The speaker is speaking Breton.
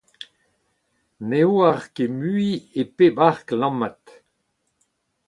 Ne oar ket mui e pe bark lammat !